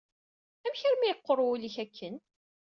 Amek armi yeqqur wul-ik akken?